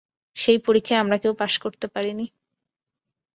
সেই পরীক্ষায় আমরা কেউ পাস করতে পারি নি।